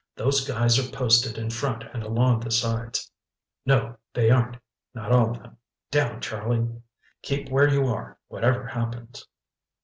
Those guys are posted in front and along the sides—No, they aren't!—not all of them—Down, Charlie! Keep where you are whatever happens!"